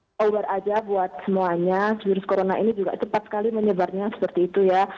terima kasih banyak banyak ya buat semuanya virus corona ini juga cepat sekali menyebarnya seperti itu ya